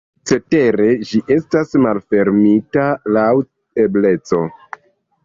Cetere ĝi estas malfermita laŭ ebleco.